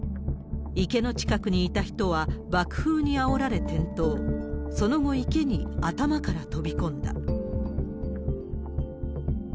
池の近くにいた人は、爆風にあおられ転倒、その後、池に頭から飛び込んだ。